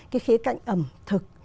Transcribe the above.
cái khía cạnh ẩm thực